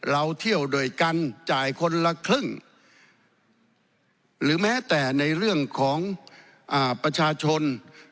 เราเที่ยวด้วยกันจ่ายคนละครึ่งหรือแม้แต่ในเรื่องของประชาชน